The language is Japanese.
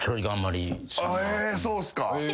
えそうっすか。